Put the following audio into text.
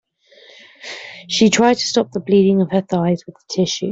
She tried to stop the bleeding of her thighs with a tissue.